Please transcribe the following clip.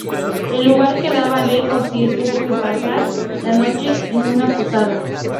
El lugar quedaba lejos y tuvo que pasar la noche en una posada.